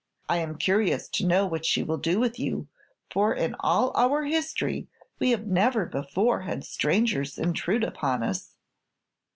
I am curious to know what she will do with you, for in all our history we have never before had strangers intrude upon us."